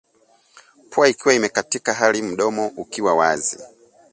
Pua ikiwa imekatika hali mdomo ukiwa wazi